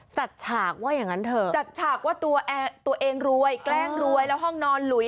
ฉากว่าอย่างนั้นเถอะจัดฉากว่าตัวเองรวยแกล้งรวยแล้วห้องนอนหลุย